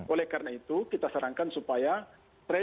oleh karena itu kita sarankan supaya tracing testing di pakai